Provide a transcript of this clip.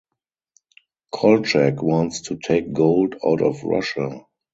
Kolchak wants to take gold out of Russia.